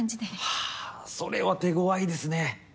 はぁそれは手ごわいですね。